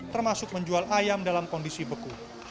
termasuk menjual ayam dalam kondisi beku